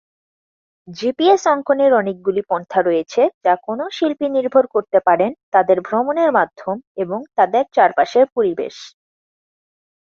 GPS অঙ্কনের অনেকগুলি পন্থা রয়েছে যা কোনও শিল্পী নির্ভর করতে পারেন তাদের ভ্রমণের মাধ্যম এবং তাদের চারপাশের পরিবেশ।